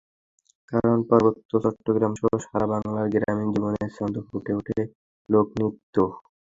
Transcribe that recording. কারণ, পার্বত্য চট্টগ্রামসহ সারা বাংলার গ্রামীণ জীবনের ছন্দ ফুটে ওঠে লোকনৃত্যে।